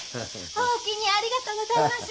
おおきにありがとうございます。